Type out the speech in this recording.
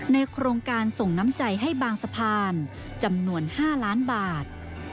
โครงการส่งน้ำใจให้บางสะพานจำนวน๕ล้านบาท